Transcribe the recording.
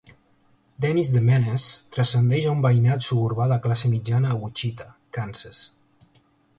"Dennis the Menace" transcendeix a un veïnat suburbà de classe mitjana a Wichita, Kansas.